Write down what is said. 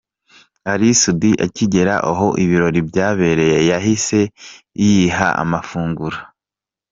Ally Soudy akigera aho ibirori byabereye yahise yiha amafunguro.